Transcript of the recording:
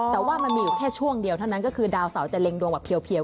แต่ว่ามันมีอยู่แค่ช่วงเดียวเท่านั้นก็คือดาวเสาจะเล็งดวงแบบเพียว